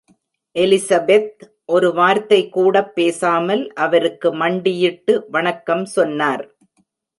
Elizabeth ஒரு வார்த்தை கூடப் பேசாமல் அவருக்கு மண்டியிட்டு வணக்கம் சொன்னார்.